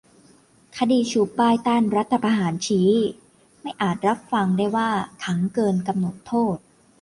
คดีชูป้ายต้านรัฐประหารชี้ไม่อาจรับฟังได้ว่าขังเกินกำหนดโทษ